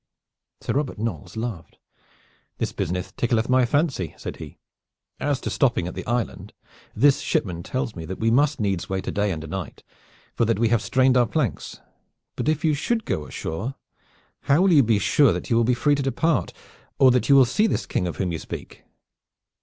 Sir Robert Knolles laughed. "This business tickleth my fancy," said he. "As to stopping at the island, this shipman tells me that we must needs wait a day and a night, for that we have strained our planks. But if you should go ashore, how will you be sure that you will be free to depart, or that you will see this King of whom you speak?"